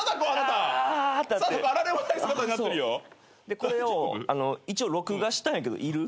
でこれを一応録画したんやけどいる？